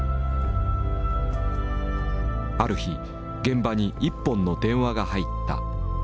ある日現場に一本の電話が入った。